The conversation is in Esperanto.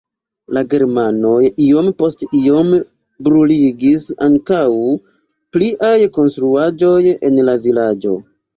La germanoj iom post iom bruligis ankaŭ pliaj konstruaĵoj en la vilaĝo.